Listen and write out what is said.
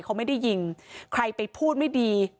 เขาไม่ได้ยิงใครไปพูดไม่ดี